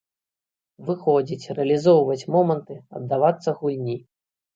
Выходзіць, рэалізоўваць моманты, аддавацца гульні.